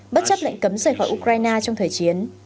bất chấp lệnh cấm rời khỏi ukraine trong thời chiến